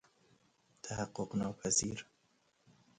تحقق ناپذیر